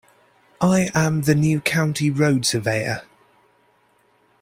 I am the new County Road Surveyor.